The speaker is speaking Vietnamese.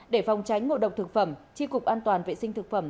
để phòng tránh ngộ độc thực phẩm tri cục an toàn vệ sinh thực phẩm